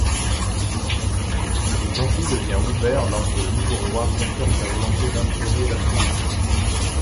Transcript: Le conflit devient ouvert lorsque le nouveau roi confirme sa volonté d'instaurer l'absolutisme.